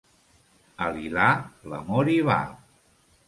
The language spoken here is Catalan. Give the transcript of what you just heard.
Al lilà, l'amor hi va.